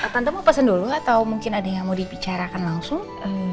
tante mau pesen dulu atau mungkin ada yang mau dibicarakan langsung